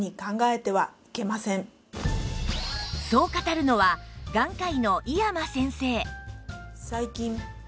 そう語るのは眼科医の井山先生